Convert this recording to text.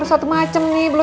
nah nanti gue mau pilih